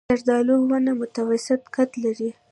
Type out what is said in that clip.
زردالو ونه متوسط قد لري.